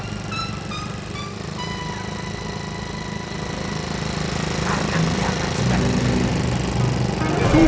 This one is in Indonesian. karena kiamat sudah di sini